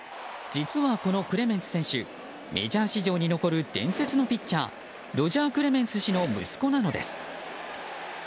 実は、このクレメンス選手メジャー史上に残る伝説のピッチャーロジャー・クレメンス氏の息子なのです。